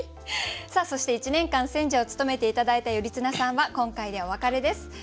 さあそして１年間選者を務めて頂いた頼綱さんは今回でお別れです。